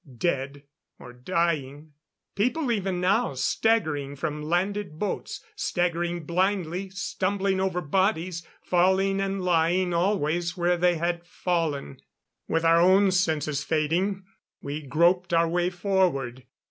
Dead or dying. People even now staggering from landed boats staggering blindly, stumbling over bodies, falling and lying always where they had fallen. With our own senses fading, we groped our way forward.